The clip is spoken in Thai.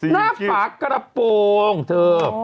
หน้าฝากระโปรงเธอ